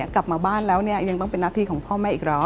กลับมาบ้านแล้วเนี่ยยังต้องเป็นหน้าที่ของพ่อแม่อีกเหรอ